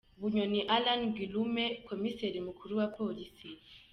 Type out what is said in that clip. Bunyoni Alain Guillaume Komiseri mukuru wa Polisi